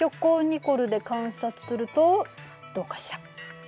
ニコルで観察するとどうかしら？